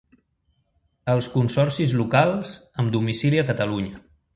Els consorcis locals amb domicili a Catalunya.